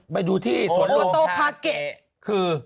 นานดูที่สวนโลกคางะคือ